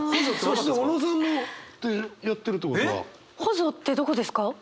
臍ってどこですか？